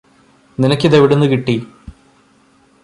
നിനക്കിതെവിടുന്നു കിട്ടി